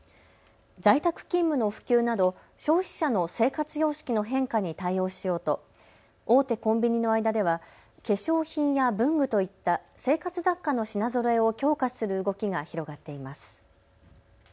在宅勤務の普及など消費者の生活様式の変化に対応しようと大手コンビニの間では化粧品や文具といった生活雑貨の品ぞろえを強化する動きが広がっています。